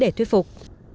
để thuyết phục